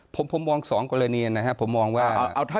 ผมมอง๒กรณีนะครับผมมองว่า